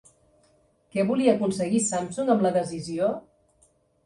Què volia aconseguir Samsung amb la decisió?